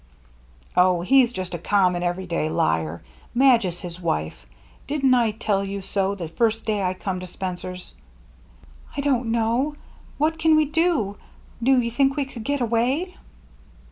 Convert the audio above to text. " Oh, he's just a common, everyday liar. Madge is his wife. Didn't I tell you so the first day I come to Spencer's ?" "I don't know. What can we do? Do you think we could get away